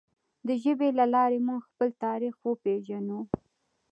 د ژبې له لارې موږ خپل تاریخ وپیژنو.